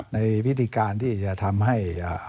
ในวิธีการที่จะทำให้